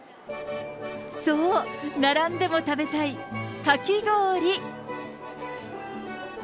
そう、並んでも食べたいかき氷。